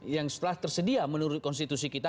yang setelah tersedia menurut konstitusi kita